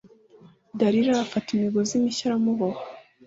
dalila afata imigozi mishya aramuboha